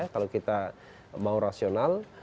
kalau kita mau rasional